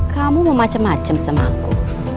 kamu mau macem macem sama aku